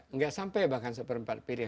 enggak sampai bahkan seperempat piring